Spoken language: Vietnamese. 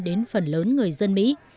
đến phần lớn người dân mỹ